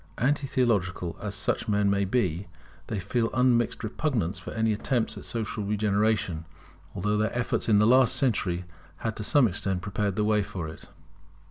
Anti theological as such men may be, they feel unmixed repugnance for any attempts at social regeneration, although their efforts in the last century had to some extent prepared the way for it.